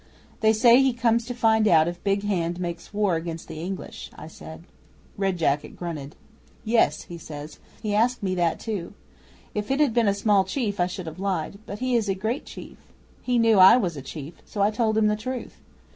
'"They say he comes to find out if Big Hand makes war against the English," I said. 'Red Jacket grunted. "Yes," he says. "He asked me that too. If he had been a small chief I should have lied. But he is a great chief. He knew I was a chief, so I told him the truth.